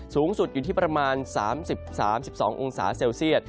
สูงสุดอยู่ที่ประมาณ๓๐๓๒องศาเซลเซียต